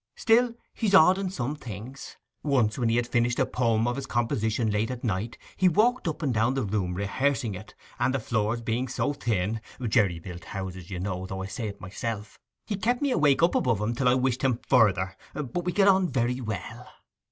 Still he's odd in some things. Once when he had finished a poem of his composition late at night he walked up and down the room rehearsing it; and the floors being so thin—jerry built houses, you know, though I say it myself—he kept me awake up above him till I wished him further ... But we get on very well.